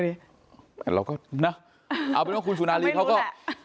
แต่เราก็นะเอาเป็นว่าคุณสุนารีเขาก็